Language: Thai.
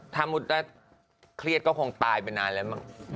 ถ้าหมดละเครียดก็คงตายไปนานแล้วบ้าง